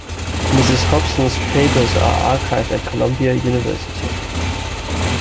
Mrs. Hobson's papers are archived at Columbia University.